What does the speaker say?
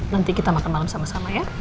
nanti kita makan malam sama sama ya